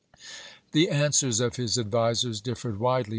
The answers of his advisers differed widely.